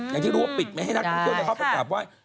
อย่างที่รู้ว่าปิดไม่ให้นักท่องเที่ยวเข้าไปกราบไหว้